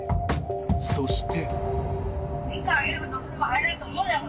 そして。